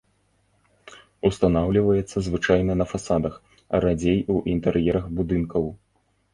Устанаўліваецца звычайна на фасадах, радзей у інтэр'ерах будынкаў.